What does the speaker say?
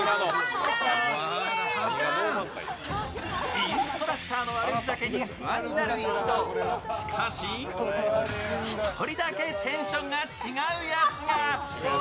インストラクターの悪ふざけに不安になる一同、しかし１人だけテンションが違うやつが。